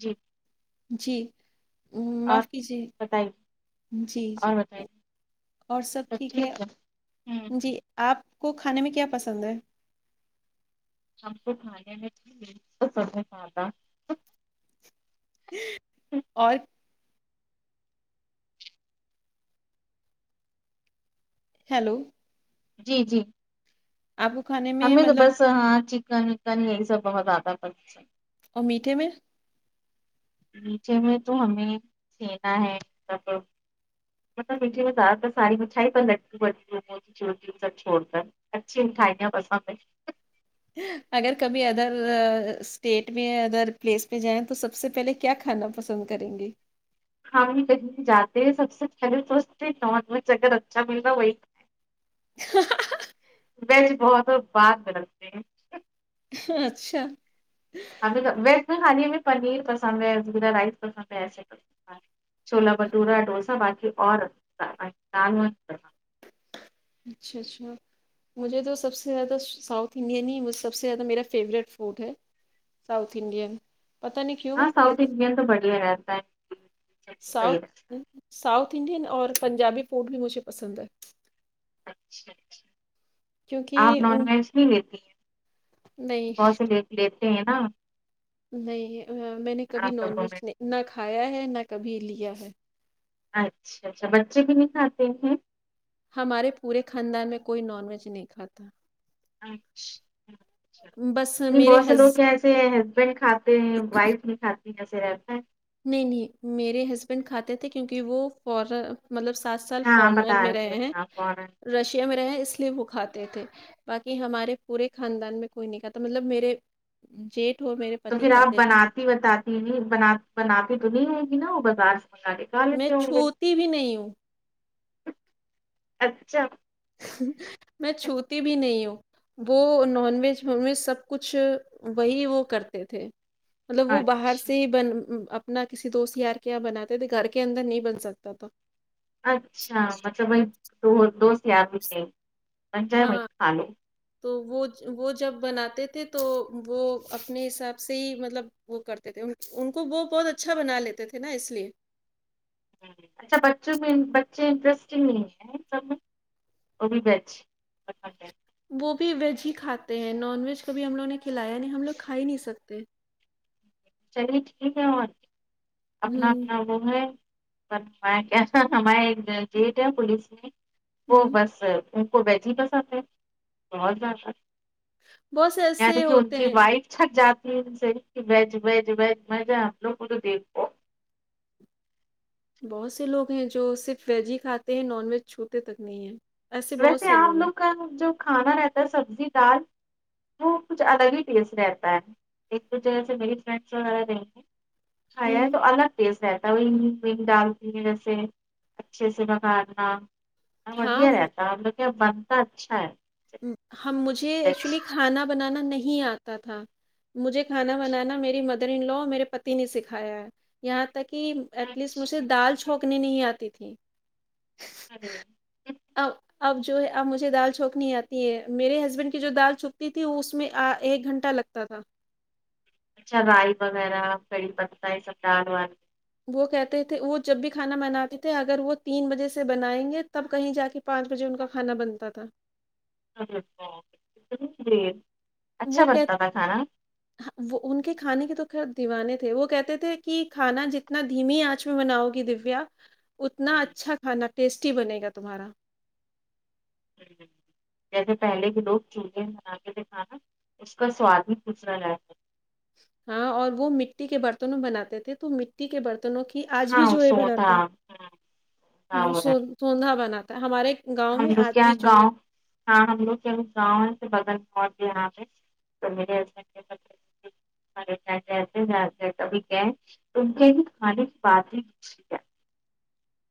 جی جی اور معاف کیجیے بتائیے جی جی اور بتائیے اور سب ٹھیک ہے ہوں ہوں، جی آپ کو کھانے میں کیا پسند ہے ہم کو کھانے میں بھی مرچ پسند نہیں آتا اور ہیلو جی جی اپکو خانے ہمیں تو بس ہاں چکن وکن یہی سب بہت زیادہ پسند ہے اور میٹھے میں میٹھے میں تو ہمیں سینا ہے مطلب مجھے میں زیادہ ساری مچھ ہی لک سب چھوڑ کر اچھی مٹھائی د پسند ہے اگر کبھی ادر اسٹیٹ میں ادر پلیس میں جائیں تو سب سے پہلے کیا کھانا پسند کریں گے ہم کہیں جاتے ہیں سب سے پہلے تو نارھ میں اگر اچھا مل گا وہی ہ ویسے بہت بات ملتے ہیں اچھا ہم ویج میں کھے میں پنیر پسند ہے زا رائس پسند ہے ایسے چھولا بھٹورا ڈوسا باقی اور دال اچھا اچھا مجھے تو سب سے زیادہ ساؤتھ انڈین ہی سب سے زیادہ میرا فیوریٹ فوڈ ہے ساؤتھ انڈین پتا نہیں کیوں ہاں ساؤتھ لیکن انڈین تو بڑھیا رہتا ہے صحیح ساؤتھ رہتا ساؤتھ انڈین اور پنجابی فوڈ بھی مجھے پسند ہے اچھا اچھا آپ کیونکہ نان ان ویج بھی لیتی نہیں ہیں سے لیتے ہیں نا نہیں میں نے کبھی آپ نان لوگوں میں ویج نہ کھایا ہے نہ کبھی لیا ہے اچھا اچھا بچے ک نہیں کھاتے ہیں ہمارے پورے خاندان میں کوئی نان ویج نہیں کھاتا اچھا اچھا بس نہیں میرے بہت سے لوگ ہز کیسے ہیں ہسبینڈ کھاتے ہیں وائف نہیں کھاتے ہیں جسے رہتا ہے نہیں نہیں میرے ہسبینڈ کھاتے تھے کیونکہ وہ فورا مطلب سات سال ہاں فارنر بتا میں تھے رہے ہیں آپ کون رشیا میں رہے ہیں اس لیے وہ کھاتے تھے باقی ہمارے پورے خاندان میں کوئی نہیں کہتا مطلب میرے جیٹھ ہو میرے تو پتی پھر آپ کھاتے تھے بناتی بتاتی بناتی تو نہیں ہے گی نا وہ بازار سے منگا لے میں لیتے ہوں گے چھوتی بھی نہیں ہوں اچھا میں چھوتی بھی نہیں ہوں وہ نان ویج می ویج سب کچھ وہی وہ کرتے تھے مطلب وہ باہر سے اچھا ہی بن نہ کسی دوست یار کے یہاں بناتے تھے گھر کے اندر نہیں بن سکتا تھا اچھا مطلب وہی دو دوست یار بھی تھ من جائے وہیں ہاں کھا لو تو وہ وہ جب بناتے تھے تو وہ اپنے حساب سے ہی مطلب وہ کرتے تھے ان کو وہ بہت اچھا بنا لیتے تھے نا اس لیے اچھا بچوں میں بچے انٹرسٹگ نہیں ہیں سب میں نان وج وہ بھی ویج ہی کھاتے ہیں نان ویج کبھی ہم لوگ نے کھلایا نہیں ہم لوگ کھا ہی نہیں سکتے چلیے ٹھیک ہے اور اپنا ہوں اپنا وہ ہے کیسا ہمارے چٹا پلیس وہ ہوں بس ان کو ویج ہی پسند ہے بہت بہت سے زیادہ ایسے کہ ان ہوتے کی ہیں وائٹ اچھک جاتی ہے ان سے کہ ویج ویج ویج ویج ہے ہم لوگ کو تو دیکھو بہت سے لوگ ہیں جو صرف ویج ہی کھاتے ہیں نان ویج چھوتے تک نہیں ہے ویسے آپ لوگ کا جو کھانا رہتا ہے سبزی دال وہ کچھ الگ ہی ٹیسٹ رہتا ہے ایک تو جیسے کہ میری فرینڈس وغیرہ نہیں ہیں اچھا ہوں تو الگ ٹیسٹ ہے تبھیگ وگ ڈالتی ہیں جیسے اچھے سے بگارنا ہاں بڑھیا وہ رہتا ہم لوگ کا بنتا اچھا ہے ہم مجھے ویج۔ ایکچولی کھانا بنانا نہیں آتا تھا مجھے کھانا بنانا میری مدر ان لو میرے پتی نے سکھایا ہے یہاں تک کہ ایٹ لیسٹ مجھے اچھا دال اچھا چھونکنی نہیں آتی تھی ہاں اب اب جو ہے اب مجھے دال چھونکنی آ میرے ہسبینڈ کی جو دال چھونکتھی تھی وہ اس میں ایک گھنٹہ لگتا تھا اچھا رائی وغیرہ کڑی پتا یہ سب دال وال وہ کہتے تھے وہ جب بھی کھانا بناتے تھے اگر وہ تین بجے سے بنائیں گے تب کہیں جا کے پانچ بجے ان کا کھانا بنتا تھا [unintelligible] وہ اچھا کہ بنتا تھا کھانا ہوں، وہ ان کے کھانے کے تو خیر دیوانے تھے وہ کہتے تھے کہ کھانا جتنا دھیمی آنچ میں بناؤ گی دیویا اتنا ہوں۔ اچھا کھانا ٹیسٹی بنے گا تمہارا جیسے پہلے کے لوگ چولہے بناتے تھے کھانا اس کا سواد بھی کچھ الگ ہاں اور وہ مٹی کے برتنوں بناتے تھے تو مٹی کے برتن توں کی آج بھی ہاں جو ہے سوتا بناتے ہیں ہو وہ رہا ہے سو سندھا بناتا ہے ہمارے گاؤں ہم میں لوگ آج کیا بھی جو ہے گاؤں ہاں ہم لوگ کے گاؤں [unintelligible] [unintelligible] ان کے ہی کھانے کی بات ہی اچہی ہے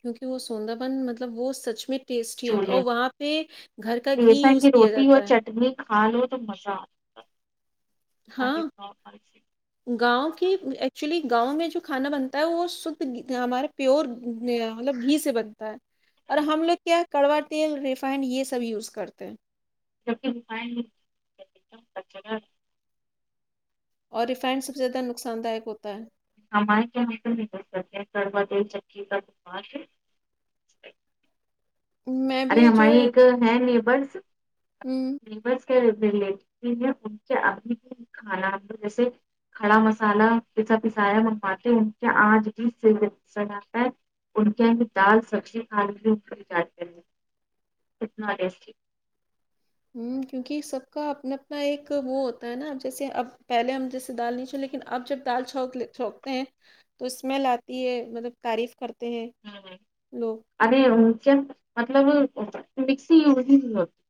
کیونکہ وہ سونداپن مطلب وہ سچ میں ٹیسٹی ہوتا چولہے اور میں وہاں پہ گھر کا گھی یوز کیا جاتا ہے کھالو تو مزہ ہاں آتا گاؤں کی ایکچولی گاؤں میں جو کھانا بنتا ہے وہ شدھ ہمارا پیور مطلب گھی سے بنتا ہے اور ہم لوگ کیا ہے کڑوا تیل ریفائنڈ یہ سب یوز کرتے ہیں جب کے رفائنڈایک دم کچرا اور ریفائنڈ سب سے زیادہ نقصان دائک ہوتا ہے [unintelligible] میں ارے بھی ہماری ایک ہے نیبرس ھمم نیبرز کے [unintelligible] کھڑا مسالہ پسا پسایا منگواتے ہے ان کے آج بھی سے انسٹاگرام پے ان کے ان دال سبزی کھانے کیلئے جاتے ہیں اتنا ٹیسٹی ھمم کیونکی سب کا اپنا اپنا ایک وہ ہوتا ہے نا اب جیسے اب پہلے ہم جیسے دال نہیں چلے لیکن اب جب دال چھونک چھونکتے ہیں تو اسمیل آتی ہے مطلب تعریف کرتے ہیں لوگ [unintelligible]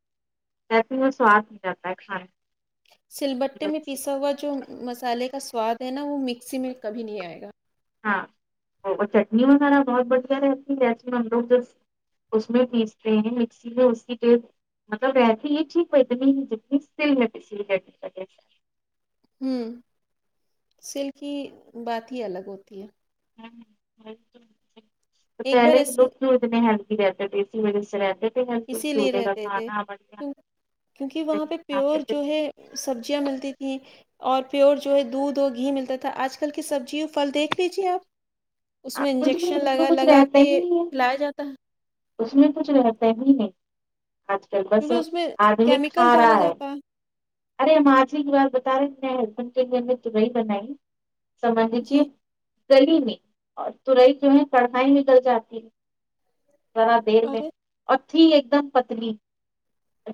ایسے میں سواد نہیں آتا ہے کھانے کی سلبٹے میں وجہ سے۔ پیسا ہوا جو مسالے کا سواد ہے نا وہ مکسی میں کبھی نہیں آئے گا ہاں اور چٹنی وغیرہ بہت بڑھیا رہتی جیسے میں ہم لوگ جس اس میں پیستے ہیں مکسی میں اسی کے مطلب رہتی یہ ٹھیک ہو اتنی جتنی سلبتے [unintelligible] ھمم سل کی بات ہی الگ ہوتی ہے تو ایک بار پہلے کے ایسے لوگ کیوں اتنے ہیلدی رہتے تھے ایسی وجھے سے رہتے تھے ہیلدی اسی لیے چولہے کا رہتے تھے کھانا بڑھیا کیونکہ وہاں پہ پیور کھاتے تھے، جو ہے سبزیاں ملتی تھی اور پیور جو ہے دودھ اور گھی ملتا تھا آج کل کی سبزیوں پھل دیکھ لیجیے آپ اس میں کچھ بھی انجیکشن اس میں لگا کچھ لگا رہتا کے ہی نہیں ہے لیا جاتا ہے اس میں کچھ رہتا نہیں ہے آج کل بس کیونکہ اس میں آدمی کیمیکل کھا ڈالا رہا ہے جاتا ارے ہم آج ہی ایک بار بتا رہے ہیں ہسبینڈ کے لیے ہم نے تورئی بنائی سمجھ لیجیے جی گلی نہیں اور ترئی جو ہے کڑھائی میں گل جاتی ہے ذرا دیر میں ارے اور تھی ایک دم پتلی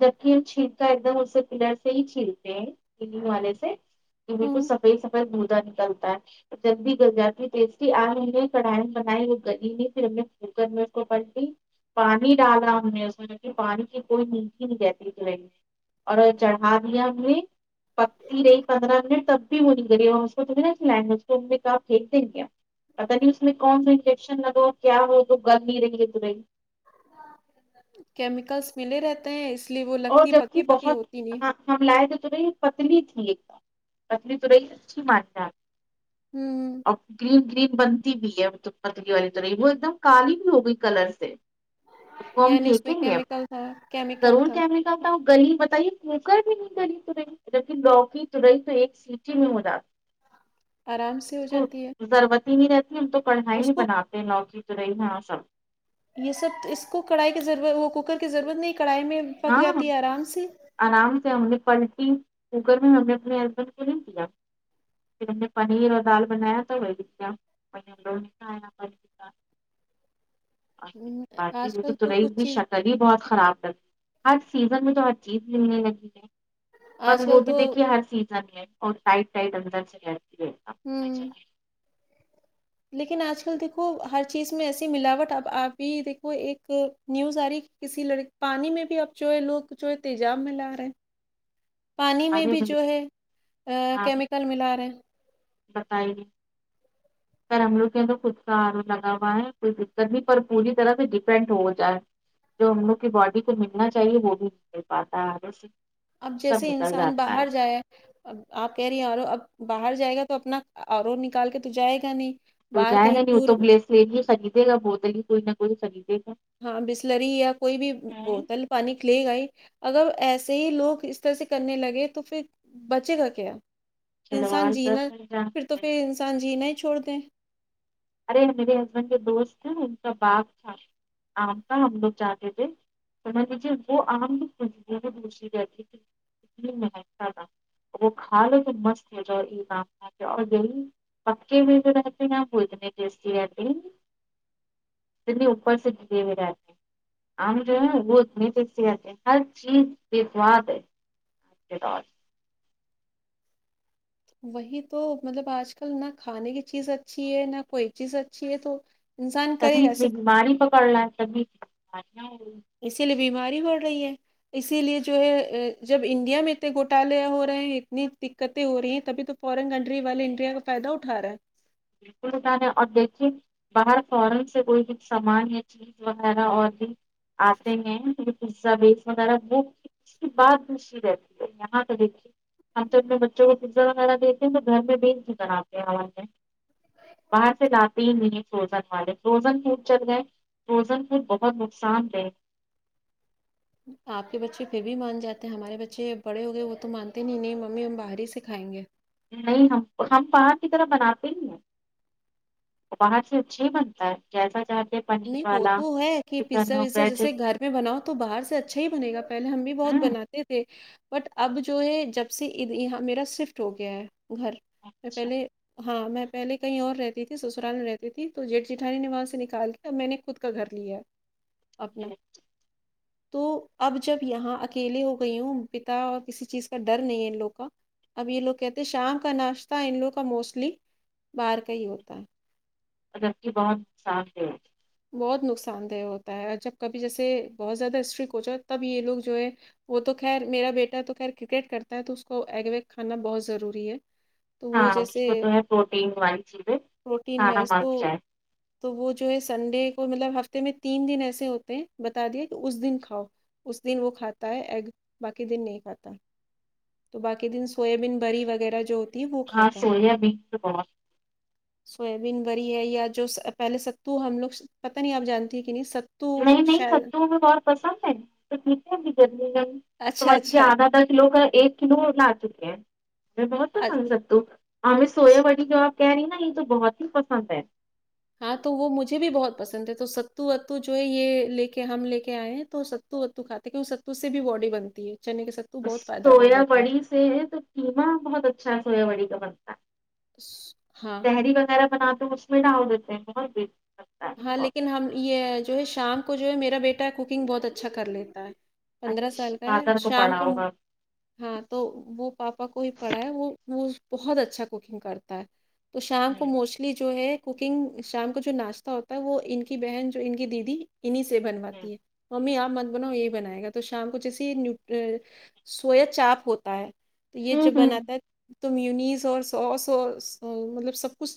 جبکہ چھیلکا ایک دم اسے پلر سے ہی چھیلتے ہیں پلنگ والے سے ہ بالکل سفید سفید گودا نکلتا ہے جلدی گزاتی ٹیسٹی آ رہئی ہے کڑھ بنائی ہو گلی پھر ہم نے اسکو کوکر میں پانی ڈالا ہم نے اس میں کہ پانی کی کوئی نیٹھی نہیں رہتی تورائے میں اور چڑھا دیا میں بھی پ ی رہی پندرہ منٹ تب بھی وہ نکلے اور اس کو تمہیں نہ چلائیں گے اس کو ان نے کہا پھینک دیں گے پتا نہیں اس میں کون سا انجیکشن لگا ہو کیا ہو تو گم ہی رہی ہے تورئی کیمیکلس ملے رہتے ہیں اس لیے وہ اور لگتی پکی جبکہ پکی بہت ہوتی نہیں ہاں ہم لائے تھے ترائی پتلی تھی ایک پتلی توائی اچھی مانتا ہمم اور گرین گرین بنتی بھی ہے پتلی والی توریی وہ ایک دم کالی بھی ہو گئی کلر سے اس کو ہم یعنی اس میں کیمیکل ہے کیمیکل تھا کہتا گلی بتائیے کوکر میں نہیں گلی تورئی جبکہ لوکی تورئی تو ایک سی مٹی میں ملاوٹ ہاں اس کو ضرورت ہی نہیں رہتی ہم تو کڑھائی اس ہی کو بناتے لوکی ترائی یہاں سب یہ سب اس کو کڑھائی کی ضرور وہ کوکر کی ضرورت نہیں کڑھائی میں پک ہاں جاتی ہے آرام سے آرام سے ہم نے پلٹی کوکر میں ہم نے اپنے ہسبینڈ کو نہیں کیایا پھر ہم نے پنیر اور دال بنایا تھا وہ دیا کااپن کا ہ آج کل تو کچھ چیز شریر بہت خراب ہے ہر سیزن میں تو ہر چیز ملنے لگی ہے پر آج کل گوبھی تو دیکھیے ہر سیزن میں اور سائڈ سٹائڈ اندر چل آتیے ہوں لیکن آج کل دیکھو ہر چیز میں ایسی ملاوٹ اب آپ بھی دیکھو ایک نیوز آ رہی ہے کسی لڑک پانی میں بھی اب چوہے لوگ چوہ تیجاب میں لا رہے ہیں پانی میں ارے بھی جو ہے کیمیکل ملا رہے ہیں بتائی گے پر ہم لوگ کے انر خود کا آر لگا ہوا ہے کوئی دقت نہیں پر پوری طرح سے ڈیپینڈ ہو جائے جو ہم لوگ کی باڈی کو ملنا چاہیے وہ بھی مل پاتا ہے آگے سے اب سب جیسے نکل انسان جاتا ہے باہر جائے اب آپ کہہ رہی ہیں اور اب باہر جائے گا تو اپنا اورو نکال کے تو جائے گا نہیں تو باہر جائے کہیں گا نہیں وہ تو ٹور بلیس لے لییے خریدے گا بوتل ہی کوئی نہ کوئی خریدے گا ہاں بسلری یا کوئی بھی ہیں بوتل پانی کلے گا ہی اگر ایسے ہی لوگ اس طرح سے کرنے لگے تو پھر بچے گا کیا انسان چڑوال کا جینا گھر پھر تو جانا پھر انسان جینا ہی چھوڑ دیں ارے میرے ہسبینڈ کے دوست ہیں ان کا باغ تھا آم کا ہم لوگ جاہتے تھے سمجے وہ عام خوش پوچھی گئی تھی کہ کتنی مہنک زیادہ وہ کھا لے تو مست ہو جائے ای آم کھاکے اور یہی پکے بھی تو رہتے بولتنے ٹسٹیی ہیں بھائی پھر بھی اوپر سے پاکے رہتے ہیں آم جو ہم، ہے وہ اتنی سحت ہے ہر چیز دوات ہے اا حلہ وہی تو مطلب آج کل نہ کھانے کی چیز اچھی ہے نہ کوئی چیز اچھی ہے تو انسان کرے تبھی گا نے صرف بیماری پکڑ ل تبھی اسی لیے بیماری بڑ رہی ہے اسی لیے جو ہے جب انڈیا میں اتنے گھٹالے ہو رہے ہیں اتنی یںکد ہو رہی ہیں تبھی تو فورن کنٹری والے انڈیا کا فائدہ اٹا رہا ہے بالکل اکان ہے اور دیکھیے باہر فورن سے کوئی بھی سامان یا چ وغیرہ اور بھی آتے ہیں پزا بیس وغیرہ وہ اس کی بات بھیشی رہتی ہے یہاں پہ دیکھیے ہم تو ان میں بچوں کو پزا وغیرہ دیتے ہیں تو گھر میں بینی کرناتے ہیںاز میں باہر سے لاتے ہی نہیں فروزن والے فروزن فوڈ جل گئے فروزن فوڈ بہت نقصان دہ آپ کے بچے پھر بھی مان جاتے ہیں ہمارے بچے بڑے ہو گئے وہ تو مانتےنہی نہیں ممی ہم باہر ہی سے کھائیں گے نہیں ہم ہم باہر کی طرح بناتے ہی ہیں باہر سے اچھے ہی بنتا ہے جسا چاہتے پنیر نہیں وہ والا تو ہے کہ چکن پزا ہو، وزا ویج جیسے گھر میں بناؤ تو باہر سے اچھا ہی بنے گا پہلے ہم بھی بہت ہ بناتے تھے ج بٹ اب جو ہے جب سے یہاں میرا سفٹ ہو گیا ہے گھر میں اچھا پہلے ہاں میں پہلے کہیں اور رہتی تھی سسرال میں رہتی تھی تو جیٹھ جیٹھانی نے وہاں سے نکال کے تب میں نے خود کا گھر لیا اپنا جی۔ تو اب جب یہاں اکیلے ہو گئی ہوں پتا کسی چیز کا ڈر نہیں ہے ان لوگ کا اب یہ لوگ کہتے ہیں شام کا ناشتہ ان لوگ کا موسٹلی باہر کا ہی ہوتا ہے اگر کی بہت صاف ہے بہت نقصان دہ ہوتا ہے اور جب کبھی جیسے بہت زیادہ اسٹرکٹ ہو جائے تب یہ لوگ جو ہے وہ تو خیر میرا بیٹا تو خیر کرکٹ کرتا ہے تو اس کو ایگ ویگ کھانا بہت ضروری ہے تو وہ ہاں جیسے اس کو تو ہے پروٹین والی چیزیں پروٹین کھانا وائز تو مست ہے تو وہ جو ہے سنڈے کو مطلب ہفتے میں تین دن ایسے ہوتے ہیں بتا دیا کہ اس دن کھاؤ اس دن وہ کھاتا ہے ایگ باقی دن نہیں کھاتا تو باقی دن سویابین بری وغیرہ جو وہ ہاں کھاتا ہے سویا بین تو بہت سویابین بریی ہے یا جو پہلے سکتے تو ہم لوگ پتاہ نہیں آپ جانتی کہ نہیں س نہیں نہیں ستو ہمیں بہت پسند ہے [unintelligible] اچھا لیجیے اچھا آدھا آدھا کلو کا ایک کلو لا چکے ہیں ہمیں بہت اچ- پسندستو ہمیں سویا بری جو آپ کہہ رہی ہیں نا یہ تو بہت ہی پسند ہے ہاں تو وہ مجھے بھی بہت پسند ہے تو ستو وتو جو ہے یہ لے کے ہم لے کے آئے ہیں تو س وتو کھاتے ہیں وہ ستو سے بھی باڈی بنتی ہے چنے کے سات سویا بڑی سے تو قیمہ بہت اچھا ہے سویا بڑی کا بنتا ہے س- ہاں تہری وغیرہ بناتے اس میں ڈھال دیتے ہیں بہت ہے مجھے ہاں بہت لیکن ہم یہ جو ہے شام کو جو ہے میرا بیٹا ہے کوکنگ بہت اچھا کر لیتا ہے پندرہ سال اچھا کا ہے فادر شام پڑھا کو ہوگا ہاں تو وہ پاپا کو ہی پڑھا ہے وہ وہ بہت اچھا کوکنگ کرتا ہے تو شام کو ہوں موسٹلی جو ہے کوکنگ شام کو جو ناشتا ہوتا وہ ان کی بہن جو ان کی دیدی انہیں سے ہوں بنواتی ہے ممی آپ مت بنااو یہی بنائے گا تو شام کو جیسیے نیوٹ ا سویا چاپ ہوتا ہے تو یہ ہوں جب ہوں بناتا ہے تومینیز اور سوس سو مطلب سب کچھ